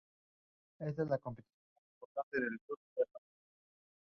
Species of "Prunus" subg.